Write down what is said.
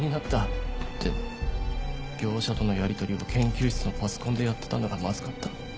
でも業者とのやり取りを研究室のパソコンでやってたのがまずかった。